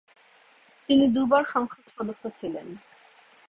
তিনি দু'বার সংসদ সদস্য ছিলেন।